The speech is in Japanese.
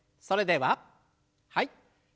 それでははい。